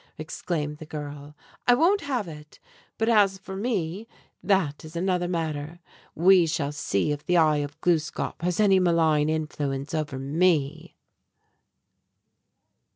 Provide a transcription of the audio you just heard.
exclaimed the girl. "I won't have it! But as for me, that is another matter. We shall see if the 'Eye of Gluskâp' has any malign influence over me!"